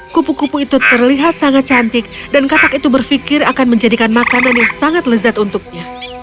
kupu kupu itu terlihat sangat cantik dan katak itu berpikir akan menjadikan makanan yang sangat lezat untuknya